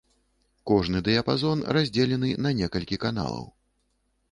Кожны дыяпазон раздзелены на некалькі каналаў.